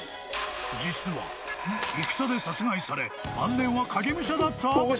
実は、戦で殺害され晩年は影武者だった？